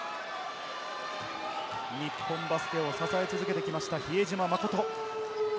日本バスケを支え続けてきました、比江島慎。